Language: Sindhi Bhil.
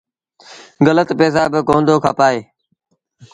گلت پئيٚسآ با ڪونا دو کپآئي